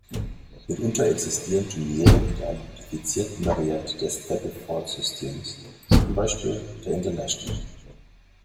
Mitunter existieren Turniere mit einer modifizierten Variante des Stableford-Systems, zum Beispiel The International.